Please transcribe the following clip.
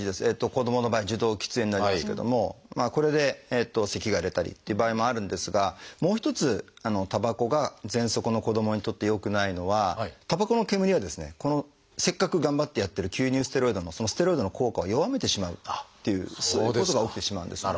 子どもの場合受動喫煙になりますけどもこれでせきが出たりっていう場合もあるんですがもう一つたばこがぜんそくの子どもにとって良くないのはたばこの煙はですねせっかく頑張ってやってる吸入ステロイドのそのステロイドの効果を弱めてしまうっていうそういうことが起きてしまうんですね。